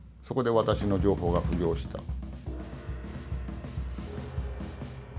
そこで私の情報が浮上した。